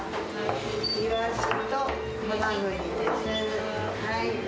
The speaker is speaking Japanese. イワシとハマグリです。